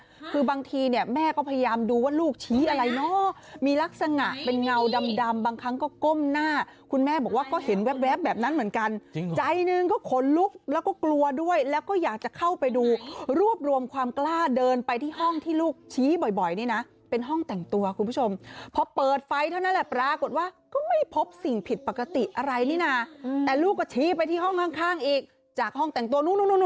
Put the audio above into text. บ้านเนี่ยคือบางทีเนี่ยแม่ก็พยายามดูว่าลูกชี้อะไรเนาะมีลักษณะเป็นเงาดำบางครั้งก็ก้มหน้าคุณแม่บอกว่าก็เห็นแบบแบบแบบนั้นเหมือนกันใจนึงก็ขนลุกแล้วก็กลัวด้วยแล้วก็อยากจะเข้าไปดูรูปรวมความกล้าเดินไปที่ห้องที่ลูกชี้บ่อยนี่นะเป็นห้องแต่งตัวคุณผู้ชมพอเปิดไฟเท่านั้นแหละปรากฏว่